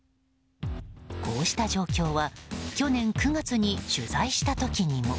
こうした状況は去年９月に取材した時にも。